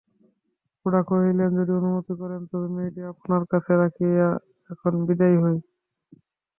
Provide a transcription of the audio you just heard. খুড়া কহিলেন, যদি অনুমতি করেন তবে মেয়েটিকে আপনার কাছে রাখিয়া এখন বিদায় হই।